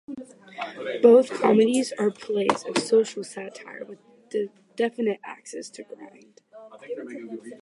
Both comedies are plays of social satire with definite axes to grind.